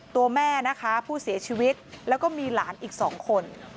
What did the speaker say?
ตัวแม่นะคะผู้เสียชีวิตแล้วก็มีหลานอีก๒คน